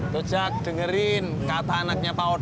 tujak dengerin kata anaknya pak odi